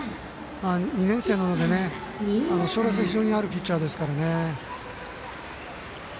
２年生なので将来性は非常にあるピッチャーですからね。